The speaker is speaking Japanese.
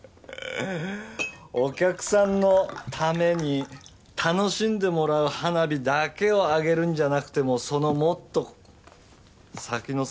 お客さんのために楽しんでもらう花火だけを上げるんじゃなくてもうそのもっと先の世界。